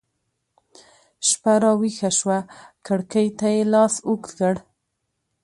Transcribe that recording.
شپه راویښه شوه کړکۍ ته يې لاس اوږد کړ